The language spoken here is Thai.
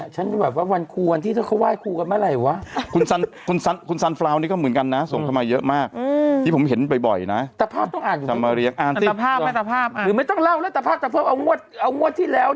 ฉันไม่แบบว่าวันที่เค้าไหว้ครูกันเมื่อไหร่วะ